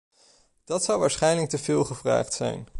Dat zou waarschijnlijk te veel gevraagd zijn.